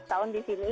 sebelas tahun di sini